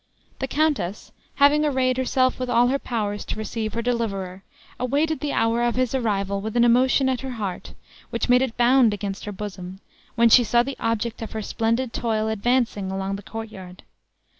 The countess, having arrayed herself with all her powers to receive her deliverer, awaited the hour of his arrival with an emotion at her heart, which made it bound against her bosom, when she saw the object of her splendid toil advancing along the courtyard.